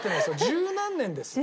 十何年ですかね？